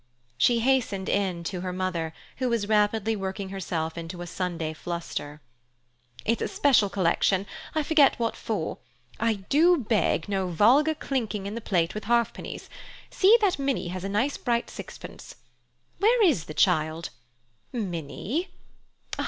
She hastened in to her mother, who was rapidly working herself into a Sunday fluster. "It's a special collection—I forget what for. I do beg, no vulgar clinking in the plate with halfpennies; see that Minnie has a nice bright sixpence. Where is the child? Minnie!